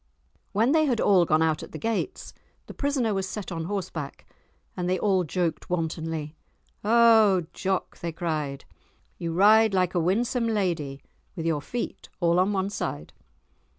When they had all gone out at the gates, the prisoner was set on horseback, and they all joked wantonly. "O Jock," they cried, "you ride like a winsome lady, with your feet all on one side."